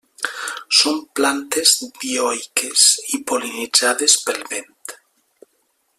Són plantes dioiques i pol·linitzades pel vent.